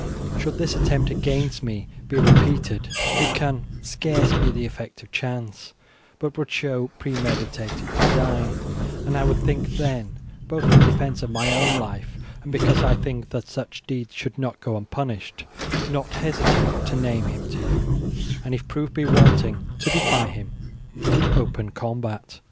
Should this attempt against me be repeated it can scarce be the effect of chance, but would show premeditated design, and I would then, both in defence of my own life, and because I think that such deeds should not go unpunished, not hesitate to name him to you, and if proof be wanting to defy him to open combat."